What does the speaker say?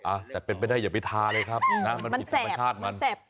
อ่ะแต่เป็นไปได้อย่าไปทาเลยครับนะมันผิดธรรมชาติมันแบบ